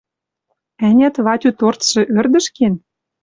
Ӓнят, Ватю торцшы ӧрдӹш кен?